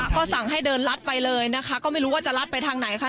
ก็สั่งให้เดินลัดไปเลยนะคะก็ไม่รู้ว่าจะลัดไปทางไหนค่ะ